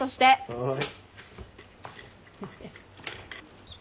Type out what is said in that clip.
はい。